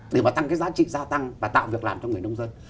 để mà tăng cái giá trị gia tăng và tạo việc làm cho người nông dân